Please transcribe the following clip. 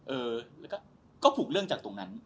เออแล้วก็ผูกเรื่องจากตรงนั้น